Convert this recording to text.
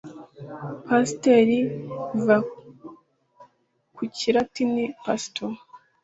pasiteri biva ku kilatini pastor